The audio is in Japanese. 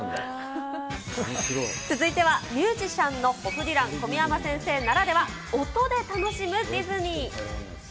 続いては、ミュージシャンのホフディラン・小宮山先生ならでは、音で楽しむディズニー。